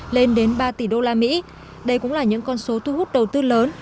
lên đến ba tỷ đô la mỹ đây cũng là những con số thu hút đầu tư lớn